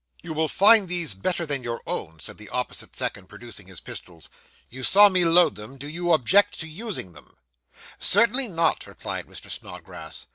'You will find these better than your own,' said the opposite second, producing his pistols. 'You saw me load them. Do you object to use them?' 'Certainly not,' replied Mr. Snodgrass.